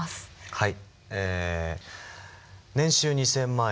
はい。